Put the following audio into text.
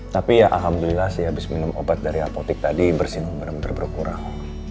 tapi ya alhamdulillah sih abis minum obat dari apotek tadi bersihnya benar benar berkurang